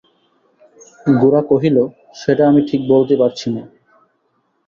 গোরা কহিল, সেটা আমি ঠিক বলতে পারছি নে।